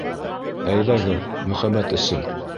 Әйҙәгеҙ, мөхәббәт өсөн!